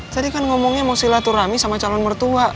tadi kan ngomongnya mau silaturahmi sama calon mertua